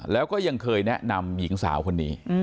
แล้วก็ยังเคยแนะนำหญิงสาวคนนี้